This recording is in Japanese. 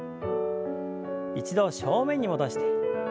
一度正面に戻して。